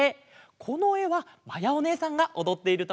このえはまやおねえさんがおどっているところです。